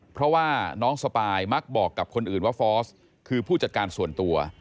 เพราะว่าน้องสปายมักบอกกับคนอื่นว่าฟอร์สคือผู้จัดการส่วนตัว